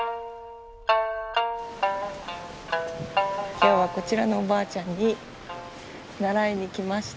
今日はこちらのおばあちゃんに習いに来ました。